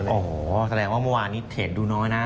นี่แปลงว่าเมื่อวานเนี่ยเล่นเหตุดูน้อยนะ